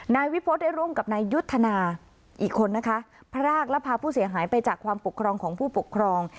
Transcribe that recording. นายวิพฤษได้ร่วมกับนายยุทธนาอีกคนนะคะพรากและพาผู้เสียหายไปจากความปกครองของผู้ปกครอง